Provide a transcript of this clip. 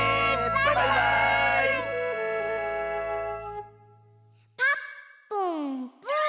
バイバーイ！